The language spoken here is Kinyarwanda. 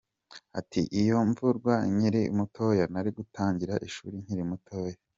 Ati “Iyo mvurwa nkiri mutoya nari gutangira ishuri nkiri mutoya.